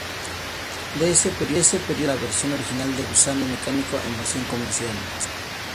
De ese periodo nace la versión original de "Gusano Mecánico" en versión comercial.